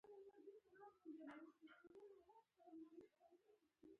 مار چې ګرم شو نو د سړي کورنۍ یې وچیچله.